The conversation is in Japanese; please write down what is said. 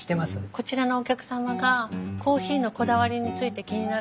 こちらのお客様がコーヒーのこだわりについて気になるって。